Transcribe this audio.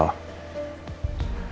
jadi gini al